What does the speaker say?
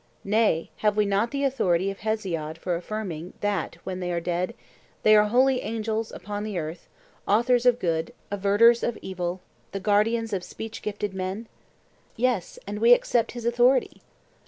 Nay, have we not the authority of Hesiod for affirming that when they are dead 'They are holy angels upon the earth, authors of good, averters of evil, the guardians of speech gifted men'? Yes; and we accept his authority.